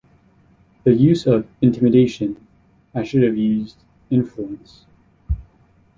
The use of 'intimidation'-I should have used 'influence.